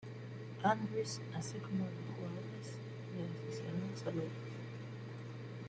Andrews, así como a los jugadores y aficionados al golf.